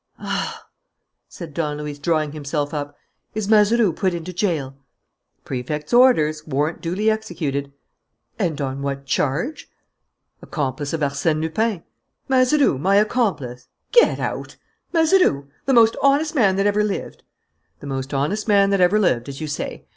"Ah!" said Don Luis, drawing himself up. "Is Mazeroux put into jail?" "Prefect's orders, warrant duly executed." "And on what charge?" "Accomplice of Arsène Lupin." "Mazeroux my accomplice? Get out! Mazeroux? The most honest man that ever lived!" "The most honest man that ever lived, as you say.